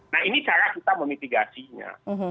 nah ini cara kita memitigasinya